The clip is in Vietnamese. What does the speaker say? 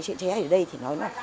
chỉ chế ở đây thì nói là